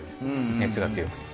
熱が強くて。